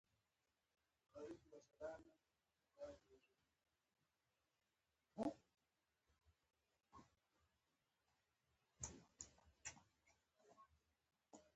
هغه دا حقيقت د عمري بيمې د کاروبار پر وخت وموند.